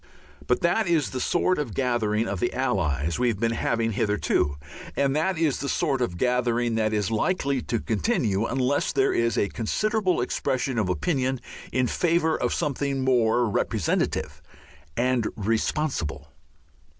But that is the sort of gathering of the Allies we have been having hitherto, and that is the sort of gathering that is likely to continue unless there is a considerable expression of opinion in favour of something more representative and responsible.